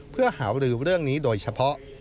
เพื่อหารือเรื่องนี้โดยเฉพาะ